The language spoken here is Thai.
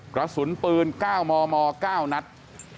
กระสุนปืน๙มม๙นัด